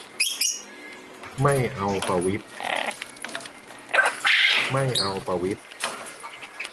ไม่เอาประวิตร